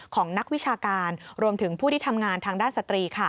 ของนักวิชาการรวมถึงผู้ที่ทำงานทางด้านสตรี